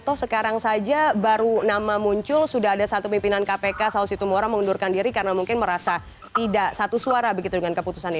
toh sekarang saja baru nama muncul sudah ada satu pimpinan kpk saus itu mora mengundurkan diri karena mungkin merasa tidak satu suara begitu dengan keputusan ini